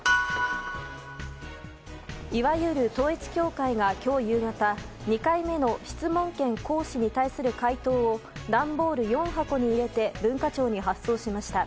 いわゆる統一教会が今日夕方２回目の質問権行使に対する回答を段ボール４箱に入れて文化庁に発送しました。